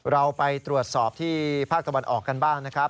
เราไปตรวจสอบที่ภาคตะวันออกกันบ้างนะครับ